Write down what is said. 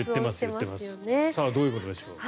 さあどういうことでしょうか。